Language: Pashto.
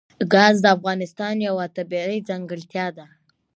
ګاز د افغانستان یوه طبیعي ځانګړتیا ده.